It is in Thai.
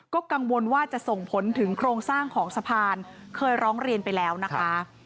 ก็กังวลว่าจะส่งผลถึงโครงสร้างของสะพานเคยร้องเรียนไปแล้วนะคะ